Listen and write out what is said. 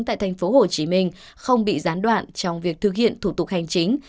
tại thành phố hồ chí minh không bị gián đoạn trong việc thực hiện thủ tục hành chính